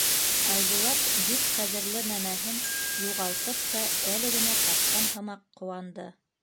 Айбулат бик ҡәҙерле нәмәһен юғалтып та, әле генә тапҡан һымаҡ ҡыуанды.